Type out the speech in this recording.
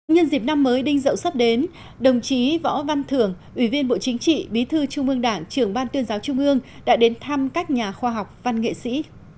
nhân dịp năm mới đinh dậu sắp đến đồng chí võ văn thưởng ủy viên bộ chính trị bí thư trung ương đảng trưởng ban tuyên giáo trung ương đã đến thăm các nhà khoa học văn nghệ sĩ